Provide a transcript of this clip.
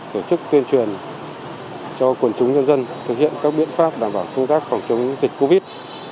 tổ chức tuyên truyền cho quần chúng nhân dân thực hiện các biện pháp đảm bảo công tác phòng chống dịch covid